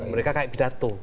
mereka kayak bidat